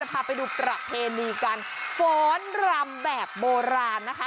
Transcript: จะพาไปดูประเทศดีกันโฟนรำแบบโบราณนะคะ